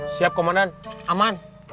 siap komandan aman